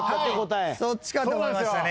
そっちかと思いましたね。